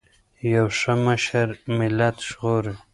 یو ښه مشر ملت ژغوري.